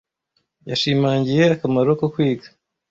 Yashimangiye akamaro ko kwiga.